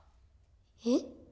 えっ？